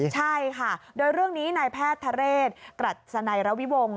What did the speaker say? ใช่ค่ะโดยเรื่องนี้นายแพทย์ทะเรศกรัศนัยระวิวงศ์